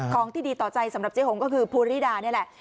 ของที่ดีต่อใจสำหรับเจ๊หงก็คือภูริดานี่แหละ